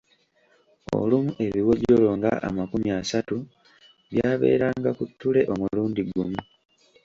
Olumu ebiwojjolo nga amakumi asatu byabeeranga ku ttule omulundi gumu.